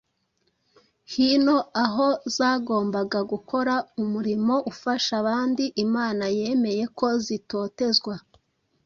hino aho zagombaga gukora umurimo ufasha abandi, Imana yemeye ko zitotezwa.